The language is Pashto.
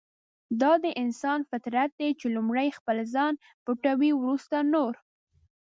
دا د انسان فطرت دی چې لومړی خپل ځان پټوي ورسته نور.